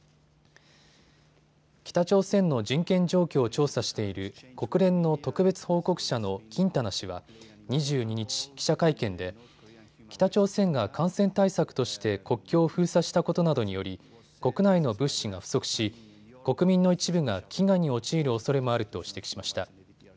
北朝鮮の人権状況を調査している国連の特別報告者のキンタナ氏は２２日、記者会見で北朝鮮が感染対策として国境を封鎖したことなどにより国内の物資が不足し国民の一部が飢餓に陥るおそれもあると指摘しました。